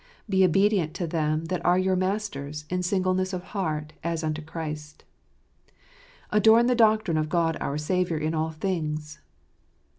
"Be obedient to them that are your masters, in singleness of heart, as unto Christ." "Adorn the doctrine of God our Saviour in all things."